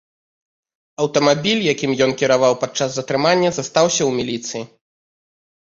Аўтамабіль, якім ён кіраваў падчас затрымання, застаўся ў міліцыі.